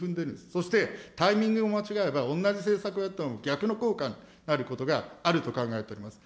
そしてタイミングを間違えば、おんなじ政策をやっても、逆の効果になることがあると考えております。